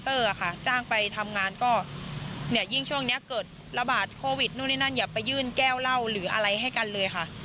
เอาฟังเสียงละมุดหน่อยค่ะ